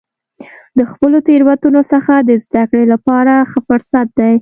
د خپلو تیروتنو څخه د زده کړې لپاره ښه فرصت دی.